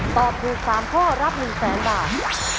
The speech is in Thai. ตอบถูก๓ข้อรับ๑แสนบาท